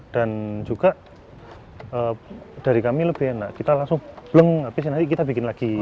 juga dari kami lebih enak kita langsung bleng habis nanti kita bikin lagi